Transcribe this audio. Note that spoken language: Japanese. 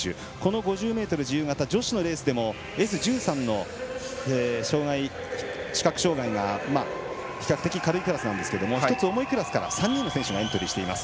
５０ｍ自由形女子のレースでもＳ１３の視覚障がいが比較的軽いクラスですが１つ重いクラスから３人の選手がエントリーしています。